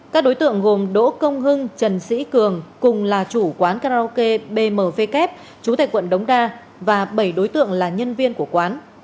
các đối tượng gồm đỗ công hưng trần sĩ cường cùng là chủ quán karaoke bmw kép chú tại quận đống đa và bảy đối tượng là nhân viên của quán